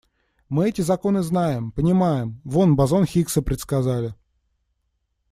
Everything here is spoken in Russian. Мы эти законы знаем, понимаем, вот бозон Хиггса предсказали.